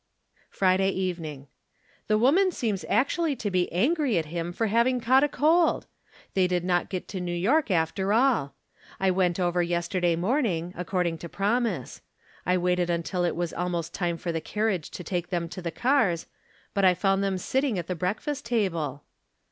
Friday Evening. — The woman seems actually to be angry at him for having caught a cold! They did not get to New York, after all. I went over 3'esterday morning, according to promise. I waited until it was almost time for the carriage to take them to the cars, but I found them sit ting at the brealifast table.